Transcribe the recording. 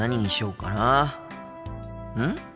うん？